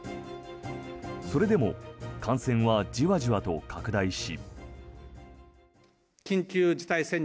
それでも感染はじわじわと拡大し。